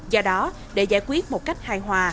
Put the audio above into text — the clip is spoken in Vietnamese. do đó để giải quyết một cách hài hòa